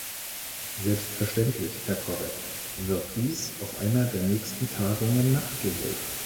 Selbstverständlich, Herr Corbett, wird dies auf einer der nächsten Tagungen nachgeholt.